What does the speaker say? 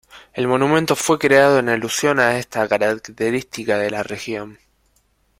El monumento fue creado en alusión a esta característica de la región.